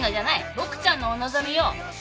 ボクちゃんのお望みよ。